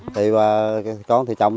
thì bà con thì trồng